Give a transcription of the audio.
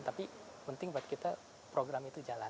tapi penting buat kita program itu jalan